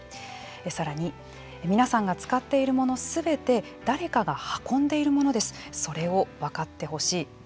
さらに、皆さんが使っているものすべて誰かが運んでいるものですそれを分かってほしい。